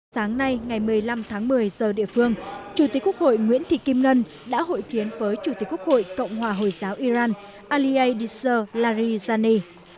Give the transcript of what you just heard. sáng nay ngày một mươi năm tháng một mươi giờ địa phương chủ tịch quốc hội nguyễn thị kim ngân đã hội kiến với chủ tịch quốc hội cộng hòa hồi giáo iran alie disor larijani